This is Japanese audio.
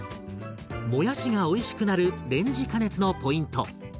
もやしがおいしくなるレンジ加熱のポイント。